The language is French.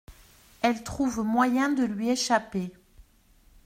Elle trouve moyen de lui échapper.